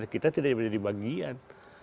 kita tidak menjadi bagian